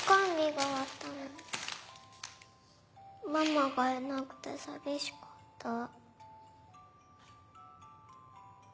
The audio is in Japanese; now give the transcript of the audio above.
ママがいなくて寂しかった。